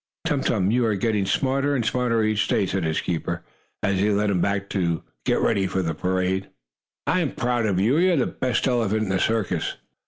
"Tum Tum, you are getting smarter and smarter each day," said his keeper, as he led him back to get ready for the parade. "I am proud of you. You are the best elephant in the circus."